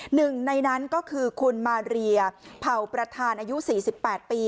หนึ่งในนั้นก็คือคุณมาเรียเผาประธานอายุสี่สิบแปดปี